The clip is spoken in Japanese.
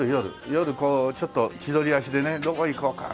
夜こうちょっと千鳥足でね「どこ行こうか」